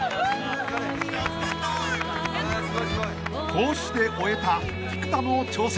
［こうして終えた菊田の挑戦］